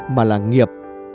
mà là nghiệp